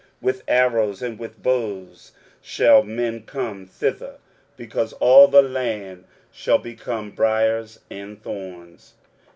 23:007:024 With arrows and with bows shall men come thither; because all the land shall become briers and thorns.